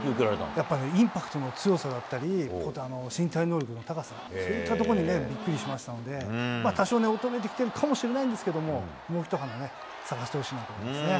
やっぱりインパクトの強さだったり、身体能力の高さ、そういったところにびっくりしましたので、多少ね、衰えてきてるかもしれないですけど、もうひと花咲かせてほしいなと思いますね。